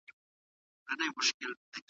شریعت د ټولني د نظم ساتونکی دی.